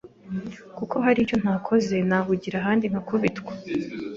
kuko hari ibyo ntakoze nahungira ahandi nkakubitwa